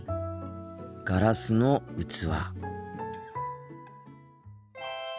ガラスの器。